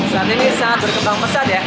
saat ini sangat berkembang pesat ya